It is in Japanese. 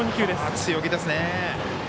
強気ですね。